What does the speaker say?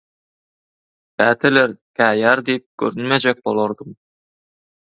Käteler käýýär diýip görünmejek bolardym.